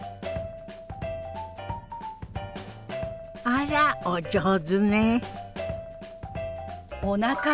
あらお上手ね。